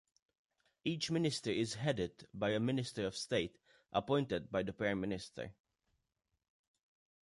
Each ministry is headed by a Minister of State appointed by the Prime Minister.